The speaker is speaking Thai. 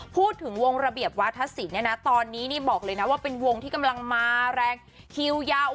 พูดถึงวงระเบียบวาธศิลป์เนี่ยนะตอนนี้นี่บอกเลยนะว่าเป็นวงที่กำลังมาแรงคิวยาว